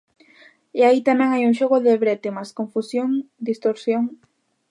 E aí tamén hai un xogo de brétemas: confusión, distorsión.